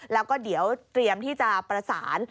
แล้วก็เดี๋ยวเตรียมที่จะประสาน